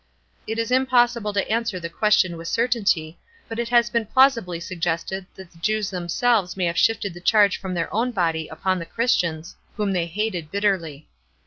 It is impossible to answer the question with certainty, hut it has been plausibly suggested that the Jews themselves may have shifted the charge from their own body upon the Christians, whom they hated bitterly.